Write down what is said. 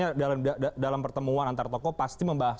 jadi saya tidak akan menerima kebangsaan yang sudah diberikan oleh pak jokowi